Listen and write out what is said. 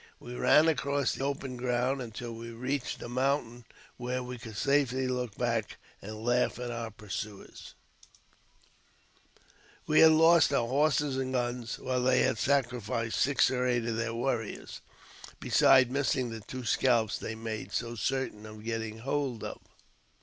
We ran across the open ground until we reached a mountain^ where we could safely look back and laugh at our pursuers ► JAMES P. BECKWOUBTH. 128 We had lost our horses and guns, while they had sacrificed six or eight of their warriors, besides missing the two scalps they made so certain of getting hold of.